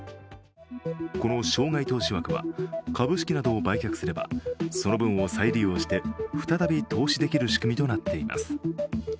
この生涯投資枠は株式などを売却すればその分を再利用して、再び投資できる仕組みとなっています。